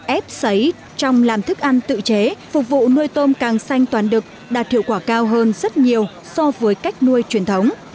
ép sấy trong làm thức ăn tự chế phục vụ nuôi tôm càng xanh toàn đực đạt hiệu quả cao hơn rất nhiều so với cách nuôi truyền thống